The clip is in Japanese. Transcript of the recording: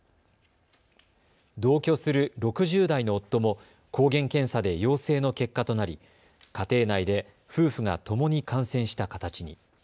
同居する６０代の夫も抗原検査で陽性の結果となり家庭内で夫婦がともに感染した形に。